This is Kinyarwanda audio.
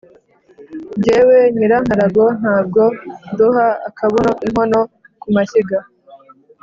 Jyewe Nyirankarago ntabwo nduha akabuno-Inkono ku mashyiga.